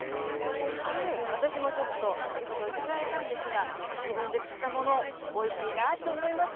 私もちょっと先ほど、頂いたんですが、自分で釣ったもの、おいしいなと思います。